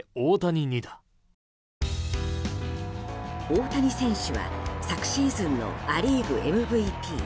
大谷選手は昨シーズンのア・リーグＭＶＰ。